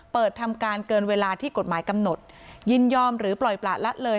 เปิดทำการเกินเวลาที่กฎหมายกำหนดยินยอมหรือปล่อยประละเลย